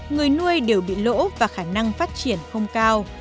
người nuôi đều bị lỗ và khả năng phát triển không cao